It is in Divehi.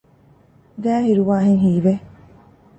ގައި ހިރުވާހެން ހީވެ